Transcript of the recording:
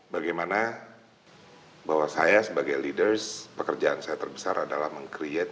bagaimana bahwa saya sebagai leaders pekerjaan saya terbesar adalah meng create